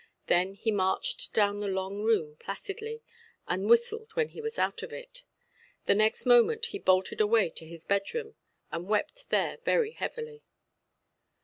Then he marched down the long room placidly, and whistled when he was out of it. The next moment he bolted away to his bedroom, and wept there very heavily.